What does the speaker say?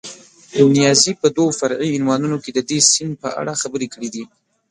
نیازي په دوو فرعي عنوانونو کې د دې سیند په اړه خبرې کړې دي.